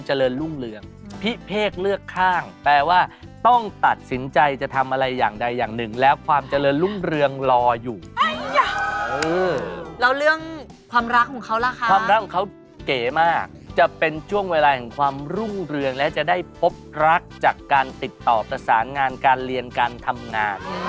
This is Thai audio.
จะเป็นช่วงเวลาจากความรุ่นเรื่องและได้พบรักจากการติดต่อประสานงานการเรียนการทำงาน